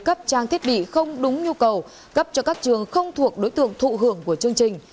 cấp trang thiết bị không đúng nhu cầu cấp cho các trường không thuộc đối tượng thụ hưởng của chương trình